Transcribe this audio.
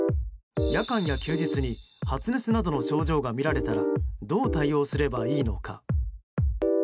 夜間や休日に発熱などの症状が見られたらどう対応すればいいのか？